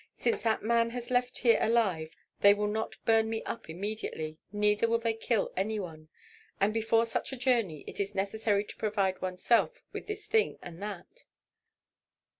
Since that man has left here alive, they will not burn me up immediately, neither will they kill any one; and before such a journey it is necessary to provide one's self with this thing and that.